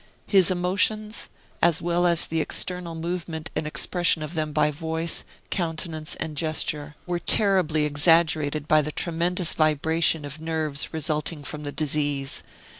His emotions, as well as the external movement and expression of them by voice, countenance, and gesture, were terribly exaggerated by the tremendous vibration of nerves resulting from the disease.